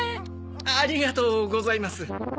ありがとうございます。